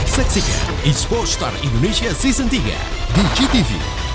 saksikan expo star indonesia season tiga di gtv